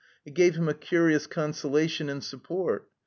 It g^ve him a curious consolation and sup* port.